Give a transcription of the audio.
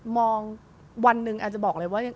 มองวันหนึ่งอาจจะบอกเลยว่า